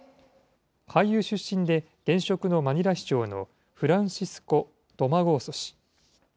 俳優出身で、現職のマニラ市長のフランシスコ・ドマゴーソ氏。